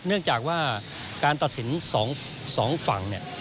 เนื่องจากว่าการตัดสินสองฝั่งเนี่ย